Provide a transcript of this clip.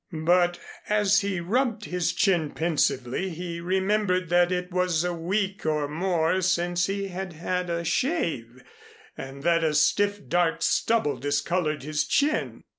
But, as he rubbed his chin pensively, he remembered that it was a week or more since he had had a shave, and that a stiff dark stubble discolored his chin.